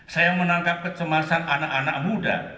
saya menangkap kecemasan anak anak muda